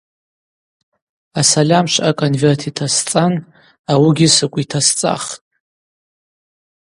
Асальамшвъа аконверт йтасцӏан ауыгьи сыкӏва йтасцӏахтӏ.